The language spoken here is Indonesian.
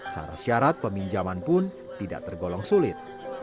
syarat syarat peminjaman pun tidak tergolong sulit